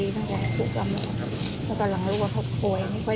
ก็จะเจอตัวของคุณพี่โอ